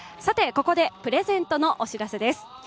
ここでプレゼントのお知らせです。